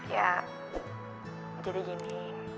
ya jadi gini